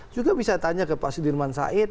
juga bisa tanya ke pak sudirman said